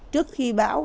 trước khi bão